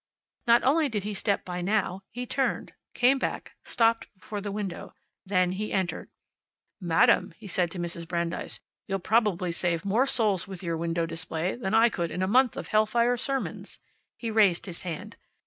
Not only did he step by now; he turned, came back; stopped before the window. Then he entered. "Madam," he said to Mrs. Brandeis, "you'll probably save more souls with your window display than I could in a month of hell fire sermons." He raised his hand.